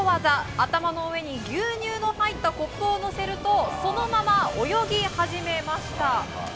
頭の上に牛乳の入ったコップを乗せるとそのまま泳ぎ始めました。